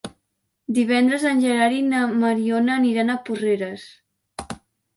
Divendres en Gerard i na Mariona aniran a Porreres.